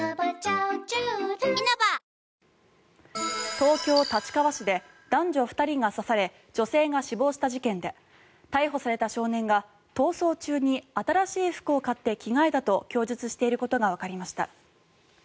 東京・立川市で男女２人が刺され女性が死亡した事件で逮捕された少年が逃走中に新しい服を買って着替えたと供述していることがわかりました。